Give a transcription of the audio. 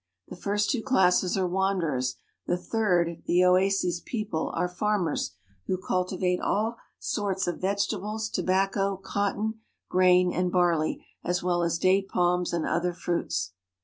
The first two classes are wanderers; the third, the oases people, are farmers, who cultivate all sorts of vegetables, tobacco, cotton, grain, and barley, as well as date palms and other fruits.